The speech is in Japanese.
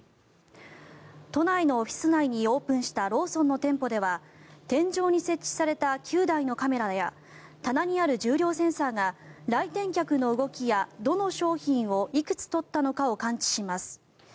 都内のオフィス内にオープンしたローソンの店舗では天井に設置された９台のカメラや棚にある重量センサーが来店客の動きやどの商品をいくつ取ったのかを感知します。